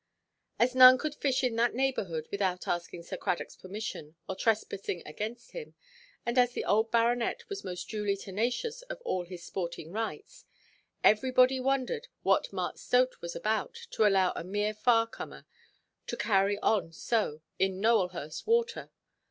As none could fish in that neighbourhood without asking Sir Cradockʼs permission, or trespassing against him, and as the old baronet was most duly tenacious of all his sporting rights, everybody wondered what Mark Stote was about to allow a mere far–comer to carry on so in Nowelhurst water.